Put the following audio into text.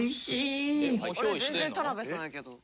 全然田辺さんやけど。